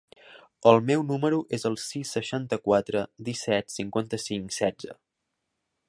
El meu número es el sis, seixanta-quatre, disset, cinquanta-cinc, setze.